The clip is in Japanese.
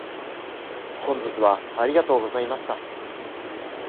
本日はありがとうございました。